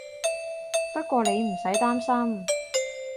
不過你唔使擔心